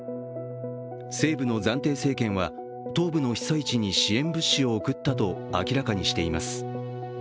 西部の暫定政権は東部の被災地に支援物資を送ったと明らかにしています。